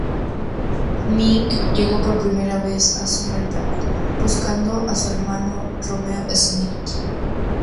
Mink llegó por primera vez a Summer Bay buscando a su hermano, Romeo Smith.